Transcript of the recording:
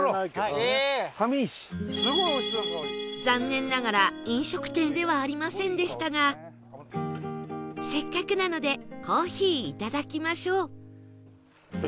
残念ながら飲食店ではありませんでしたがせっかくなのでコーヒーいただきましょう